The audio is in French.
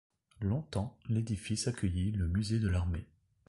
Longtemps, l'édifice accueillit le Musée de l'armée.